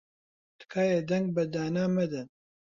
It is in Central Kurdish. تکایە دەنگ بە دانا مەدەن.